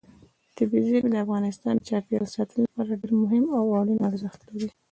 طبیعي زیرمې د افغانستان د چاپیریال ساتنې لپاره ډېر مهم او اړین ارزښت لري.